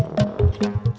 masih berani kamu